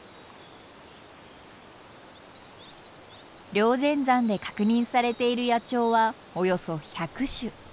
霊仙山で確認されている野鳥はおよそ１００種。